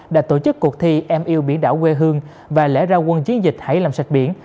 đã tổ chức cuộc thi em yêu biển đảo quê hương và lễ ra quân chiến dịch hãy làm sạch biển